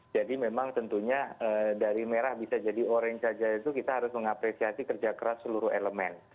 memang tentunya dari merah bisa jadi orange saja itu kita harus mengapresiasi kerja keras seluruh elemen